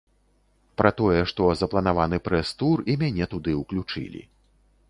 Пра тое, што запланаваны прэс-тур і мяне туды ўключылі.